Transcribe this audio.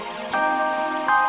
sini kita balik lagi